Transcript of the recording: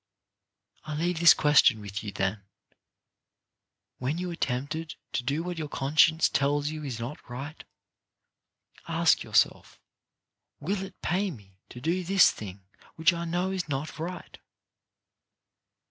I leave this question with you, then. When you are tempted to do what your conscience tells you is not right, ask yourself: " Will it pay me to do this thing which I know is not right